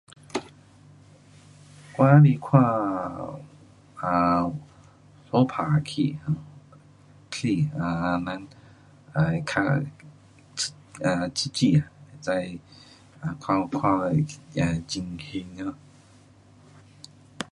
我喜欢看 um 相打的戏，戏，um 人，um 较刺，刺激，看，看情形咯。